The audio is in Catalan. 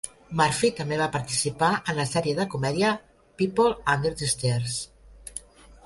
Murphy també va participar en la sèrie de comèdia "People Under the Stares".